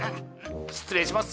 失礼します。